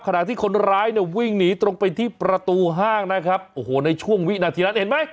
ขณะที่คนร้ายเนี่ยวิ่งหนีตรงไปที่ประตูห้างนะครับโอ้โหในช่วงวินาทีนั้นเห็นไหม